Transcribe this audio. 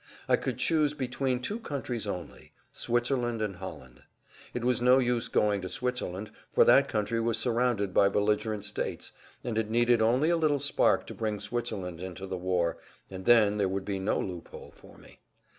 I could choose between two countries only—Switzerland and Holland. It was no use going to Switzerland, for that country was surrounded by belligerent states, and it needed only a little spark to bring Switzerland into the war, and then there would be no loophole for me.